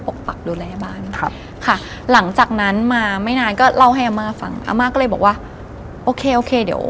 แปลงเช่นด้วย